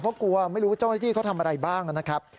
เพราะกลัวไม่รู้เจ้าหน้าที่เขาทำอะไรบ้างนะครับ